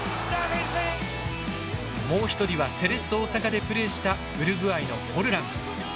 もう一人はセレッソ大阪でプレーしたウルグアイのフォルラン。